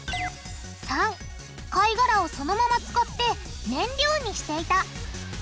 ③貝がらをそのまま使って燃料にしていた。